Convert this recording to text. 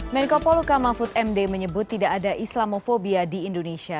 menko poluka mahfud md menyebut tidak ada islamofobia di indonesia